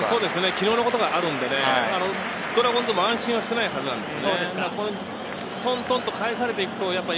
昨日のことがあるんでね、ドラゴンズは安心していないはずなんです。